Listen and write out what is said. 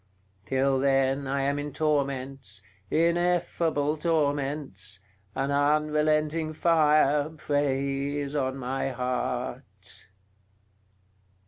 Till then I am in torments, ineffable torments! an unrelenting fire preys on my heart."